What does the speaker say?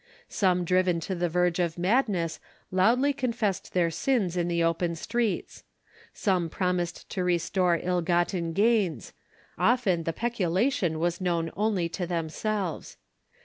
Some driven to the verge of madness loudly confessed their sins in the open streets. Some promised to restore ill gotten gains; often the peculation was known only to themselves.